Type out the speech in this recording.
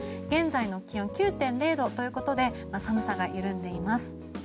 現在の気温９．０度ということで寒さが緩んでいます。